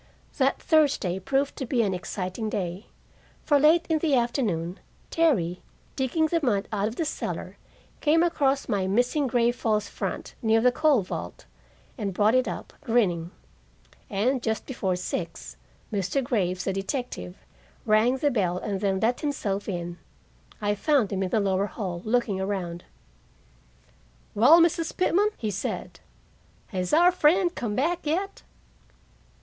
That Thursday proved to be an exciting day. For late in the afternoon Terry, digging the mud out of the cellar, came across my missing gray false front near the coal vault, and brought it up, grinning. And just before six, Mr. Graves, the detective, rang the bell and then let himself in. I found him in the lower hall, looking around. "Well, Mrs. Pitman," he said, "has our friend come back yet?"